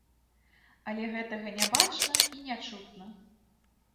Але гэтага не бачна і не чутна.